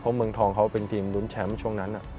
เพราะเมืองทองเขาเป็นทีมรุ้นแชมป์ช่วงนั้น